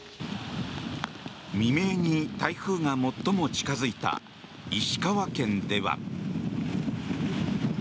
未明に台風が最も近付いた石川県では。